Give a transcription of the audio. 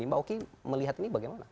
mbak oki melihat ini bagaimana